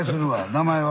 名前は？